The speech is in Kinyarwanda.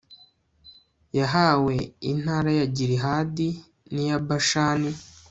yahawe intara ya gilihadi n'iya bashani